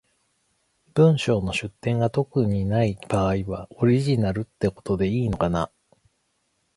文章の出典が特にない場合は、オリジナルってことでいいのかな？